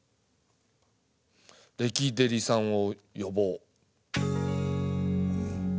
レキデリさんを呼ぼう。